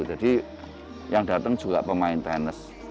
jadi yang datang juga pemain tenis